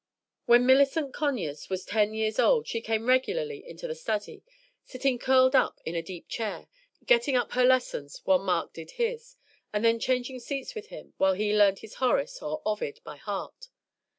When Millicent Conyers was ten years old she came regularly into the study, sitting curled up in a deep chair, getting up her lessons while Mark did his, and then changing seats with him while he learned his Horace or Ovid by heart.